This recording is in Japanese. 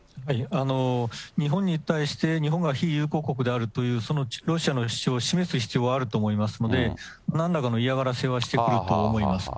日本に対して、日本が非友好国であるという、ロシアの主張を示す必要はあると思いますので、なんらかの嫌がらせはしてくると思います。